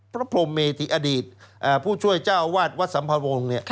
พระพรมเมธิอดีตผู้ช่วยเจ้าวาดวัดสัมภวงศ์